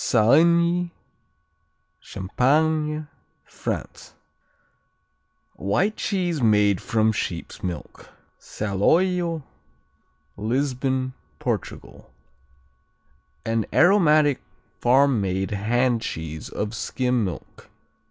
Saligny Champagne, France White cheese made from sheep's milk. Saloio Lisbon, Portugal An aromatic farm made hand cheese of skim milk.